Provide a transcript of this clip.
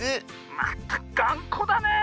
まったくがんこだねえ